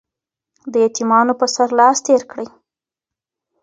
د يتيمانو په سر لاس تېر کړئ.